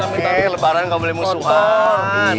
oke lebaran gak boleh musuhan